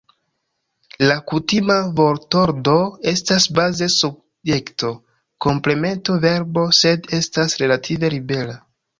La kutima vortordo estas baze subjekto-komplemento-verbo, sed estas relative libera.